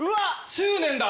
執念だ。